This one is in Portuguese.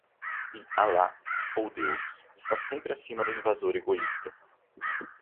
E Alá, ou Deus, está sempre acima do invasor egoísta